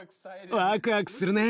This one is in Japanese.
ワクワクするね。